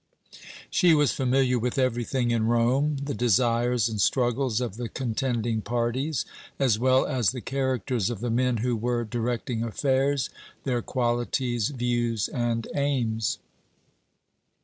She was familiar with everything in Rome, the desires and struggles of the contending parties, as well as the characters of the men who were directing affairs, their qualities, views, and aims.